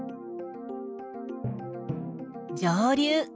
上流。